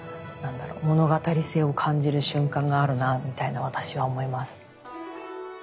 物語性を感じる瞬間があるなみたいな私は思います。